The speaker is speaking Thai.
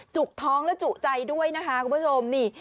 จุกท้องและจุใจด้วยนะคะคุณผู้ชมนี่